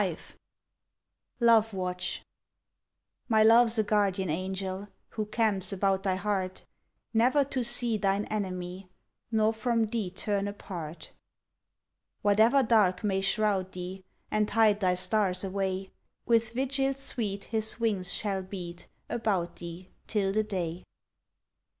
V LOVE WATCH My love's a guardian angel Who camps about thy heart, Never to See thine enemy, Nor from thee turn apart. Whatever dark may shroud thee And hide thy stars away, With vigil sweet his wings shall beat About thee till the day.